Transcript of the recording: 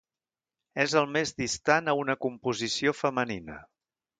És el més distant a una composició femenina.